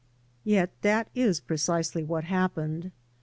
Yet that is precisely what happened.